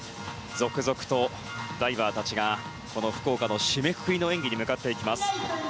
続々とダイバーたちが福岡の締めくくりの演技に向かっていきます。